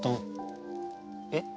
えっ？